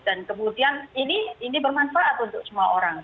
dan kemudian ini bermanfaat untuk semua orang